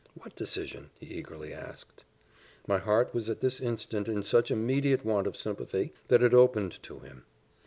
"What decision?" he eagerly asked. My heart was at this instant in such immediate want of sympathy, that it opened to him.